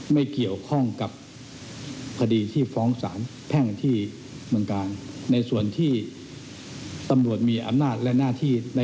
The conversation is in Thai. ไม่เกี่ยวข้องกับคดีที่ฟ้องสารแผ่งอาทิตย์อย่างกลาง